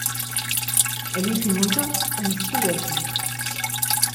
Er lief hinunter, um es zu löschen.